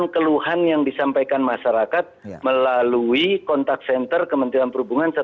keluhan yang disampaikan masyarakat melalui kontak senter kementerian perhubungan satu ratus lima puluh satu